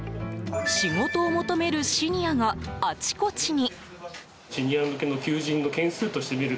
仕事を求めるシニアがあちこちに。